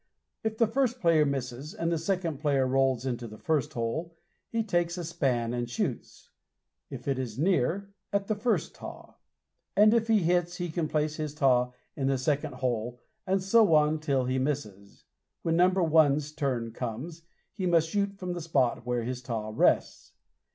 If the first player misses, and the second player rolls into the first hole, he takes a span and shoots if it is near at the first taw, and if he hits, he can place his taw in the second hole, and so on till he misses. When number one's turn comes, he must shoot from the spot where his taw rests.